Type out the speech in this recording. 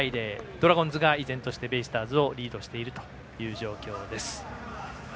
ドラゴンズが依然としてベイスターズをリードしているという状況です。